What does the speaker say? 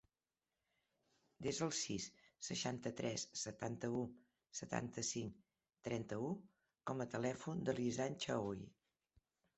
Desa el sis, seixanta-tres, setanta-u, setanta-cinc, trenta-u com a telèfon de l'Izan Chaoui.